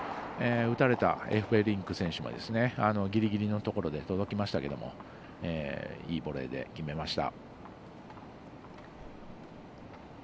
打たれたエフベリンク選手もギリギリのところで届きましたけれどもいいボレーで決めました。